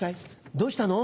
どうしたの？